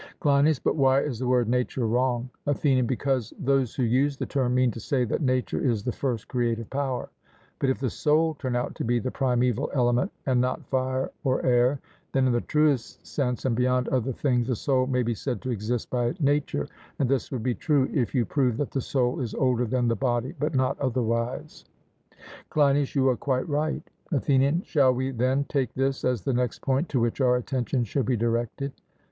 CLEINIAS: But why is the word 'nature' wrong? ATHENIAN: Because those who use the term mean to say that nature is the first creative power; but if the soul turn out to be the primeval element, and not fire or air, then in the truest sense and beyond other things the soul may be said to exist by nature; and this would be true if you proved that the soul is older than the body, but not otherwise. CLEINIAS: You are quite right. ATHENIAN: Shall we, then, take this as the next point to which our attention should be directed?